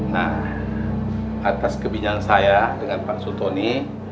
nah atas kebinyakan saya dengan pak sultoni